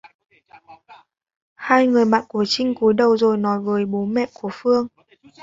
Hai người bạn của Trinh cúi đầu rồi nói với Bố Mẹ của Phương